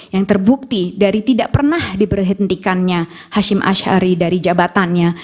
yang terbukti dari tidak pernah diberhentikannya hashim ⁇ ashari dari jabatannya